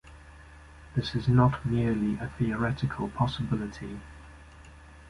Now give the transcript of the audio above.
This is not merely a theoretical possibility.